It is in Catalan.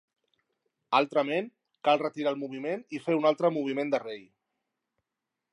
Altrament, cal retirar el moviment i fer un altre moviment de rei.